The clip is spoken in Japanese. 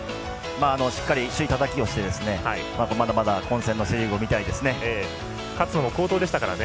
しっかり首位たたきをしてまだまだ混戦のセ・リーグを見たいですね。